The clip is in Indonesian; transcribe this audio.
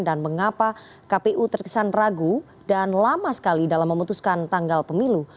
dan mengapa kpu terkesan ragu dan lama sekali dalam memutuskan tanggal pemilu